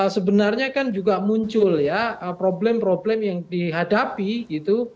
sebenarnya kan juga muncul ya problem problem yang dihadapi gitu